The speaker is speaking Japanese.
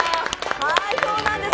そうなんです。